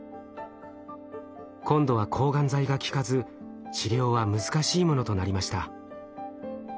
今度は抗がん剤が効かず治療は難しいものとなりました。